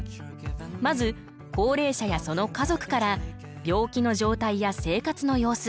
まず高齢者やその家族から病気の状態や生活の様子